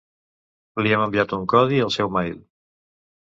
Li hem enviat un codi al seu mail.